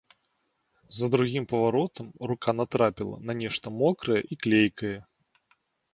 За другім паваротам рука натрапіла на нешта мокрае і клейкае.